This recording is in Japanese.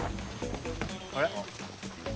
あれ？